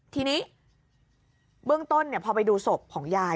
ทีนี้เบื้องต้นพอไปดูศพของยาย